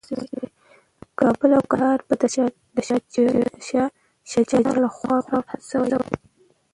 کابل او کندهار به د شاه شجاع لخوا فتح شي.